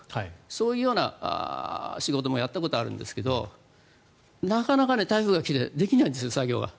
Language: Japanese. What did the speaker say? そういう仕事もやったことがあるんですけどなかなか台風が来てできないんですよ、作業が。